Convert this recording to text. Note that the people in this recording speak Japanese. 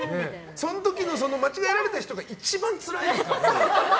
その時の間違えられた人が一番つらいのよ。